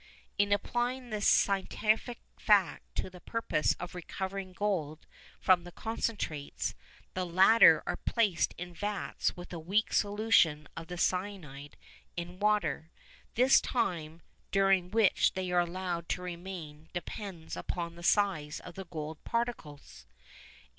In applying this scientific fact to the purpose of recovering gold from the concentrates, the latter are placed in vats with a weak solution of the cyanide in water. The time during which they are allowed to remain depends upon the size of the gold particles.